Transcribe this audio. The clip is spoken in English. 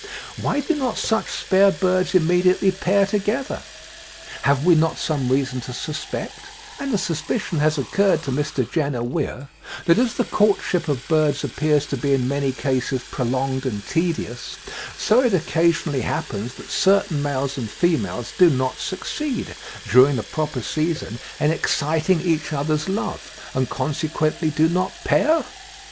Why do not such spare birds immediately pair together? Have we not some reason to suspect, and the suspicion has occurred to Mr. Jenner Weir, that as the courtship of birds appears to be in many cases prolonged and tedious, so it occasionally happens that certain males and females do not succeed, during the proper season, in exciting each other's love, and consequently do not pair?